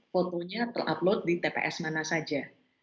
fotonya terupload di tps mana saja